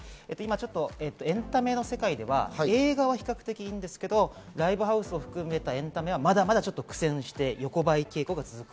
エンタメの世界は映画は比較的いいんですけど、ライブハウスを含めたエンタメはまだまだ苦戦して横ばい傾向が続く。